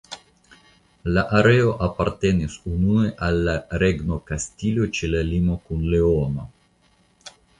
La areo apartenis unue al la Regno Kastilio ĉe la limo kun Leono.